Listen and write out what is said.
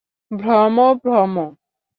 Vroom, vroom!